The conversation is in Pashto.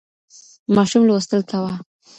ماشوم لوستل کاوه.